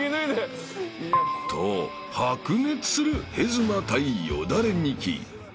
［と白熱するヘズマ対よだれニキ］